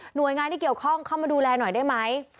โดยงานที่เกี่ยวข้องเข้ามาดูแลหน่อยได้ไหม